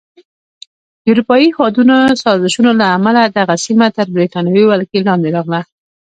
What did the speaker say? د اروپایي هېوادونو سازشونو له امله دغه سیمه تر بریتانوي ولکې لاندې راغله.